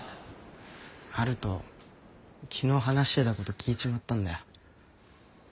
陽斗昨日話してたこと聞いちまったんだよ。